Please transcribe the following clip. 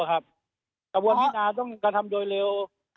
กระบวนพินาต้องกระทำโดยเร็ว